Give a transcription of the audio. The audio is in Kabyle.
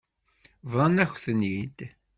Bḍan-ak-ten-id.